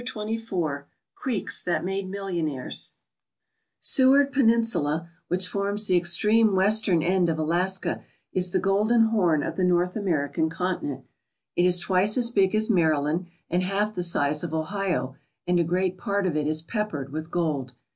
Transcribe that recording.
190 CHAPTER XXIV CREEKS THAT MADE MILLIONAIRES SiWARD PENINSULA, which forms the extreme western end of Alaska, is the Golden Horn of the North American continent. It is twice as big as Maryland and half the size of Ohio, and a great part of it is peppered with gold.